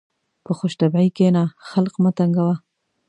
په خوشطبعي کښېنه، خلق مه تنګوه.